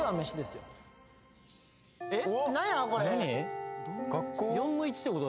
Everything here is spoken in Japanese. えっ？